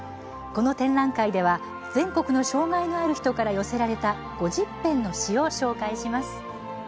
この展覧会では全国の障害のある人から寄せられた５０編の詩を紹介します。